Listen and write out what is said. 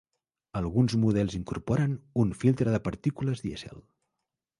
Alguns models incorporen un filtre de partícules dièsel.